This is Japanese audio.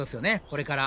これから。